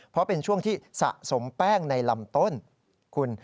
เพราะเป็นช่วงที่สะสมแป้งในลำต้นคุณ